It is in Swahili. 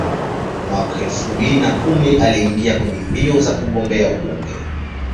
Mwaka elfu mbili na kumi aliingia kwenye mbio za kugombea ubunge